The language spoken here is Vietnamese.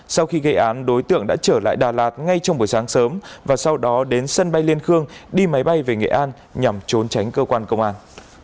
sau khi gây án đối tượng đã trở lại đà lạt ngay trong buổi sáng sớm và sau đó đến sân bay liên khương đi máy bay về nghệ an nhằm trốn tránh cơ quan công an